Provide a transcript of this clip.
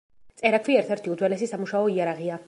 წერაქვი ერთ-ერთი უძველესი სამუშაო იარაღია.